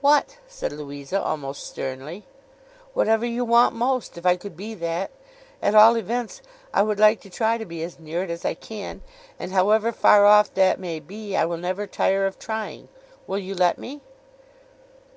'What?' said Louisa, almost sternly. 'Whatever you want most, if I could be that. At all events, I would like to try to be as near it as I can. And however far off that may be, I will never tire of trying. Will you let me?